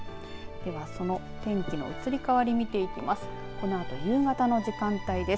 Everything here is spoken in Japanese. では、その天気の移り変わり見ていきます。